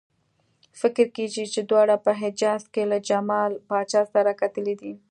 فکر کېږي چې دواړو په حجاز کې له جمال پاشا سره کتلي دي.